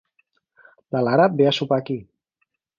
La Lara ve a sopar aquí.